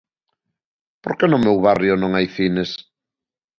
Por que no meu barrio non hai cines?